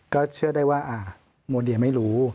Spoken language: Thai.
ก็เชื่อได้ว่าโมเดียไม่รู้